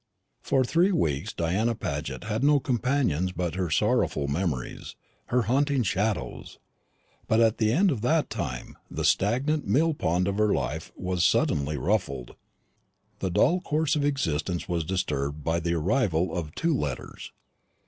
For three weeks Diana Paget had no companions but her sorrowful memories her haunting shadows; but at the end of that time the stagnant mill pond of her life was suddenly ruffled the dull course of existence was disturbed by the arrival of two letters.